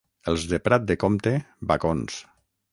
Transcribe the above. Els de Prat de Comte, bacons.